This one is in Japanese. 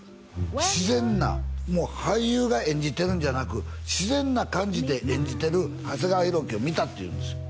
自然なもう俳優が演じてるんじゃなく自然な感じで演じてる長谷川博己を見たって言うんですよ